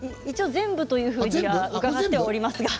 一応、全部というふうに書かれております。